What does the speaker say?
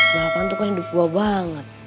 balapan tuh kan hidup gue banget